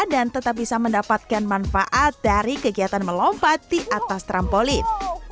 dan tetap bisa mendapatkan manfaat dari kegiatan melompat diatas trampolin